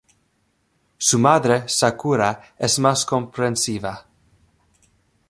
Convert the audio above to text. Su madre, Sakura, es más comprensiva.